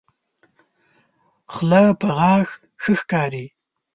خله په غاښو ښه ښکاري.